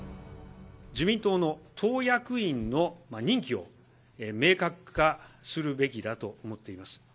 自民党の党役員の任期を明確化するべきだと思っています。